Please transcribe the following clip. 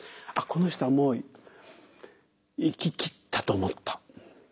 あっこの人はもう生ききったと思った。